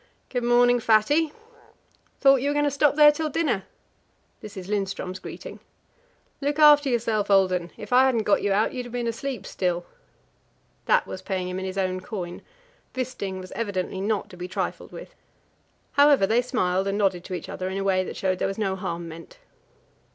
"Good morning, Fatty!" "Thought you were going to stop there till dinner." This is Lindström's greeting. "Look after yourself, old 'un. If I hadn't got you out, you'd have been asleep still." That was paying him in his own coin: Wisting was evidently not to be trifled with. However, they smiled and nodded to each other in a way that showed that there was no harm meant.